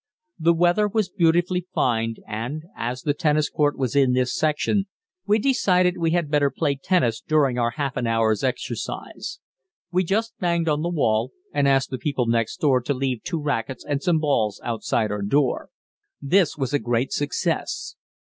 The weather was beautifully fine, and, as the tennis court was in this section, we decided we had better play tennis during our half an hour's exercise. We just banged on the wall and asked the people next door to leave two racquets and some balls outside our door. This was a great success.